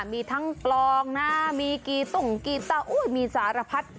มีทั้งปลองนะมีกีตุ่งกีตามีสารพัด